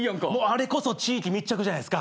あれこそ地域密着じゃないですか。